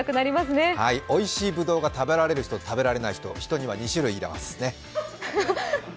おいしいぶどうが食べられる人、食べられない人人には２種類いますね。